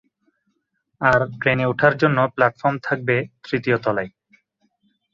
আর ট্রেনে ওঠার জন্য প্ল্যাটফর্ম থাকবে তৃতীয় তলায়।